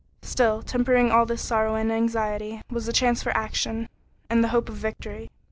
Still, tempering all this sorrow and anxiety was the chance for action, and the hope of victory.